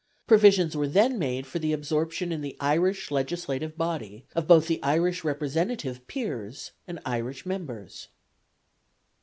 Provisions were then made for the absorption in the Irish Legislative Body of both the Irish representative peers and Irish members.